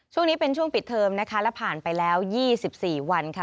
ช่วงนี้เป็นช่วงปิดเทอมนะคะและผ่านไปแล้ว๒๔วันค่ะ